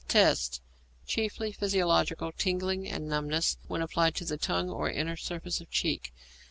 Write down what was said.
Tests. Chiefly physiological; tingling and numbness when applied to tongue or inner surface of cheek.